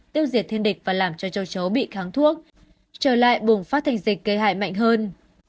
tiêu diệt thiên địch và làm cho châu chấu bị kháng thuốc trở lại bùng phát thành dịch gây hại mạnh hơn